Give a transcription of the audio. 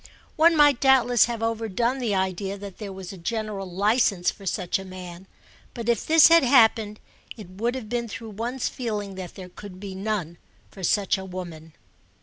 One might doubtless have overdone the idea that there was a general licence for such a man; but if this had happened it would have been through one's feeling that there could be none for such a woman.